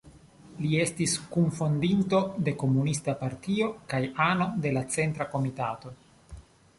Li estis kunfondinto de komunista partio kaj ano de la centra komitato.